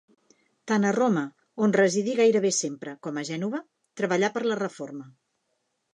Tant a Roma, on residí gairebé sempre, com a Gènova, treballà per la Reforma.